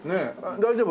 大丈夫？